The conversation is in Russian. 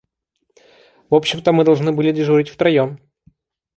Вообще-то мы должны были дежурить втроём.